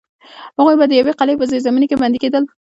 هغوی به د یوې قلعې په زیرزمینۍ کې بندي کېدل.